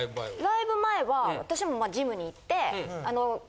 ライブ前は私もジムに行って。